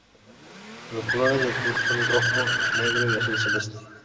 Los colores del club son rojo, negro y azul celeste.